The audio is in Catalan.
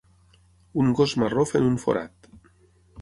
Un gos marró fent un forat.